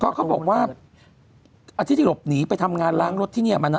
เขาบอกว่าอาทิตย์ที่หลบหนีไปทำงานล้างรถที่นี่มัน